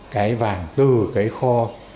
cái vàng từ cái kho